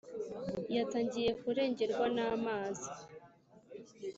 yatangiye kurengerwa n’amazi